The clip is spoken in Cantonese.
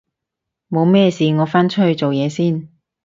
冇咩事我返出去做嘢先